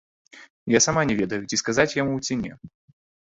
І сама не ведаю, ці сказаць яму ці не?